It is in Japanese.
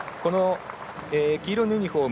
黄色のユニフォーム